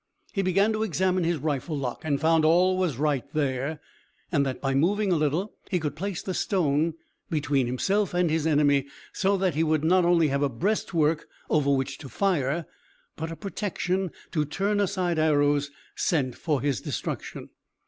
He began to examine his rifle lock, and found all was right there, and that by moving a little he could place the stone between himself and his enemy so that he would not only have a breastwork over which to fire, but a protection to turn aside arrows sent for his destruction.